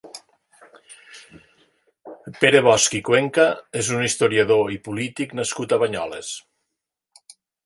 Pere Bosch i Cuenca és un historiador i polític nascut a Banyoles.